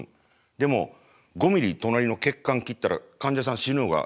でも５ミリ隣の血管切ったら患者さん死ぬのがお医者さん。